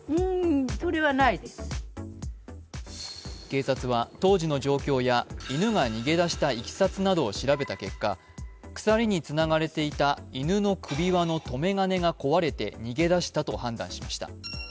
警察は当時の状況や犬が逃げ出したいきさつなどを調べた結果鎖につながれていた犬の首輪の留め金が壊れて逃げ出したと判断しました。